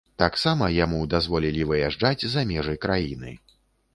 Таксама яму дазволілі выязджаць за межы краіны.